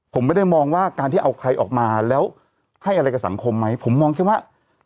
ผมไม่ได้มองว่าการที่เอาใครออกมาแล้วให้อะไรกับสังคมไหมผมมองแค่ว่า